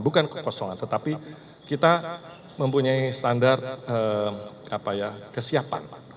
bukan kekosongan tetapi kita mempunyai standar kesiapan